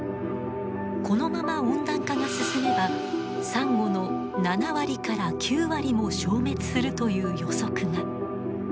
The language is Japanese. このまま温暖化が進めばサンゴの７割から９割も消滅するという予測が。